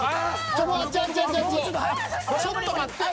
ちょっと待って。